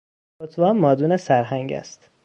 ستوان مادون سرهنگ است.